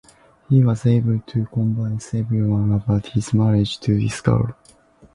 He was able to convince everyone about his marriage to this girl.